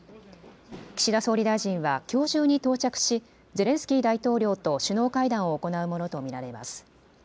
岸田総理大臣はきょう中に到着しゼレンスキー大統領と首脳会談を行うものと見られます。